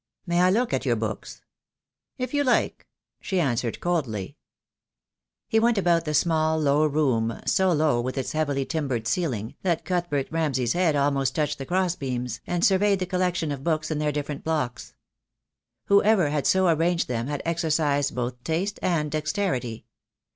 "May I look at your books?" "If you like," she answered coldly. He went about the small, low room — so low, with its heavily timbered ceiling, that Cuthbert Ramsay's head almost touched the crossbeams — and surveyed the collec tions of books in their different blocks. Whoever had so arranged them had exercised both taste and dexterity.